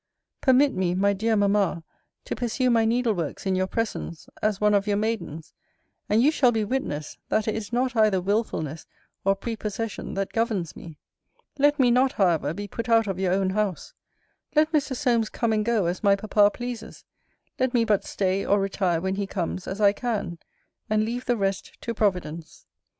Permit me, my dear Mamma, to pursue my needleworks in your presence, as one of your maidens; and you shall be witness, that it is not either wilfulness or prepossession that governs me. Let me not, however, be put out of your own house. Let Mr. Solmes come and go, as my papa pleases: let me but stay or retire when he comes, as I can; and leave the rest to Providence.